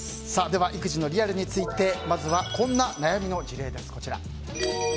では育児のリアルについてまずはこんな悩みの事例です。